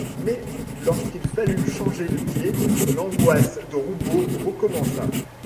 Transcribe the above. Mais, lorsqu'il fallut changer le billet, l'angoisse de Roubaud recommença.